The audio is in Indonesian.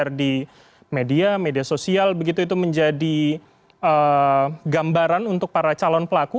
beredar di media media sosial begitu itu menjadi gambaran untuk para calon pelaku